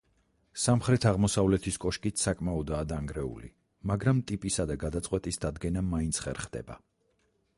სამხრეთ-აღმოსავლეთის კოშკიც საკმაოდაა დანგრეული, მაგრამ ტიპისა და გადაწყვეტის დადგენა მაინც ხერხდება.